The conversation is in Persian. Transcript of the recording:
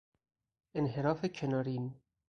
انحراف کنارین